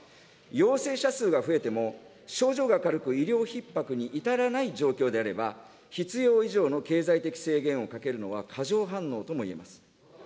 陽性者数が増えても、症状が軽く、医療ひっ迫に至らない状況であれば、必要以上の経済的制限をかけるのは過剰反応ともいえます。